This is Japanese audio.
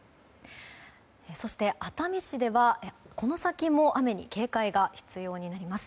そして、熱海市では、この先も雨に警戒が必要になります。